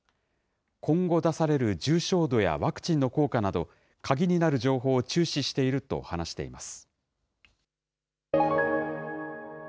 今後出される重症度やワクチンの効果など、鍵になる情報を注視していると話しています。